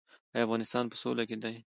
آیا افغانستان په سوله کې دی؟